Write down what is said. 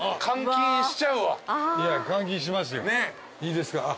いいですか？